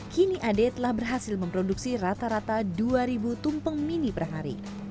kini ade telah berhasil memproduksi rata rata dua ribu tumpeng mini per hari